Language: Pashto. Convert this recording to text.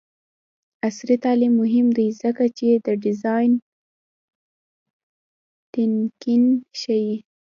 عصري تعلیم مهم دی ځکه چې د ډیزاین تنکینګ ښيي.